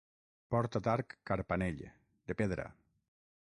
Porta d'arc carpanell, de pedra.